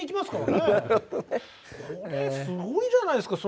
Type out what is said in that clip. これすごいじゃないですか。